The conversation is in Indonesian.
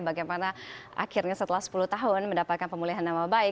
bagaimana akhirnya setelah sepuluh tahun mendapatkan pemulihan nama baik